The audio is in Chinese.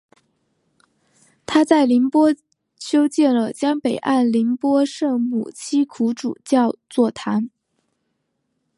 他在宁波修建了江北岸宁波圣母七苦主教座堂。